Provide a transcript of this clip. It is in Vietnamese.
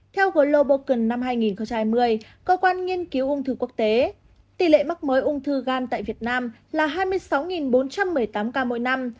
theo global năm hai nghìn hai mươi cơ quan nghiên cứu ung thư quốc tế tỷ lệ mắc mới ung thư gan tại việt nam là hai mươi sáu bốn trăm một mươi tám ca mỗi năm